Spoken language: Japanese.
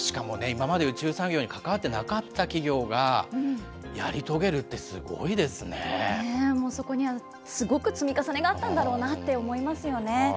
今まで宇宙産業に関わってなかった企業が、やり遂げるってすごいもう、そこにはすごく積み重ねがあったんだろうなって思いますよね。